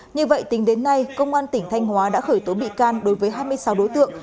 như vậy tính đến nay công an tỉnh thanh hóa đã khởi tố bị can đối với hai mươi sáu đối tượng